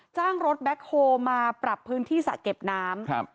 จ้างรถแบ็คโฮลมาปรับพื้นที่สระเก็บน้ำครับ